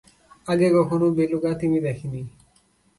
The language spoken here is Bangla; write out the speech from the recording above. আগে কখনো বেলুগা তিমি দেখিনি।